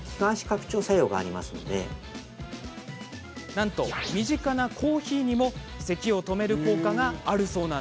なんと、身近なコーヒーにもせきを止める効果があるそう。